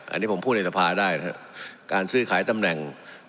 อันนี้ผมพูดในสภาได้นะครับการซื้อขายตำแหน่ง